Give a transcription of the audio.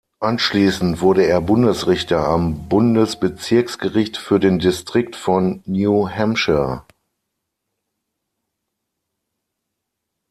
Anschließend wurde er Bundesrichter am Bundesbezirksgericht für den Distrikt von New Hampshire.